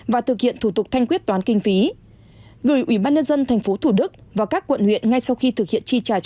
và thực hiện thủ tục thanh quyết toán kinh phí